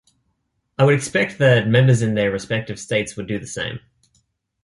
I would expect that all members in their respective states would do the same.